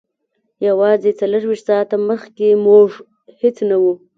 یوازې څلور ویشت ساعته مخکې موږ هیڅ نه وو